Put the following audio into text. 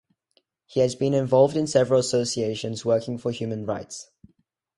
He has been involved in several associations working for human rights.